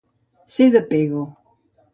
Ser de Pego.